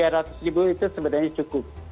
rp tiga ratus ribu itu sebenarnya cukup